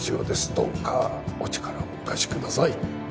どうかお力をお貸しください